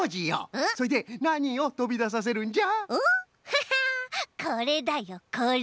ヘヘッこれだよこれ。